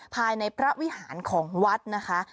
ภายในพระวิหารของวัดนะคะ